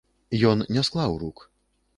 Ён не склаў рук.